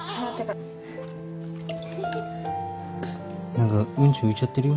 何かウンチ浮いちゃってるよ。